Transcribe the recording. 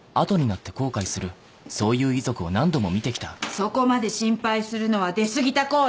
そこまで心配するのは出過ぎた行為！